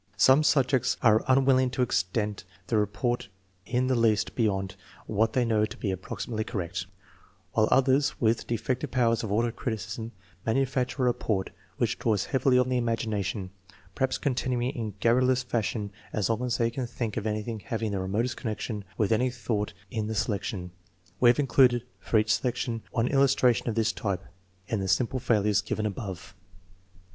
Some subjects are un willing to extend the report in the least beyond what they know to be approximately correct, while others with de fective powers of auto criticism manufacture a report which draws heavily on the imagination, perhaps continuing in garrulous fashion as long as they can think of anything SUPERIOR ADULT, 6 345 having the remotest connection with any thought in the selection. We have included, for each selection, one illus tration of this type in the sample failures given above.